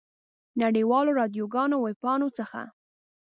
نړۍ والو راډیوګانو او ویبپاڼو څخه.